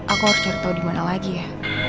aku harus cari tau dimana lagi ya